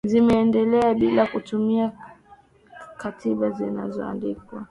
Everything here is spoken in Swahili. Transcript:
zimeendelea bila ya kutumia katiba zilizoandikwa